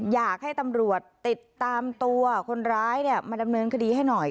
อยากให้ตำรวจติดตามตัวคนร้ายมาดำเนินคดีให้หน่อย